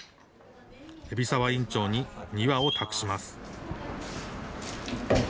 海老沢院長に２羽を託します。